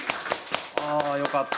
ああよかった。